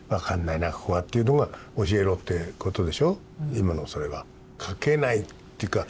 今のそれは。